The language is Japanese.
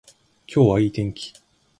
今日はいい天気